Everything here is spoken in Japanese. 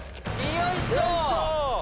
よいしょ！